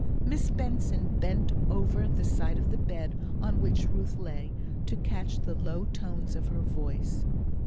Miss Benson bent over the side of the bed on which Ruth lay, to catch the low tones of her voice.